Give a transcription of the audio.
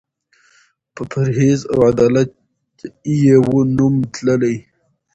په پرهېز او عدالت یې وو نوم تللی